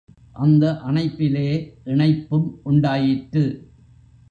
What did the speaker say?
அந்த அணைப்பிலே இணைப்பும் உண்டாயிற்று.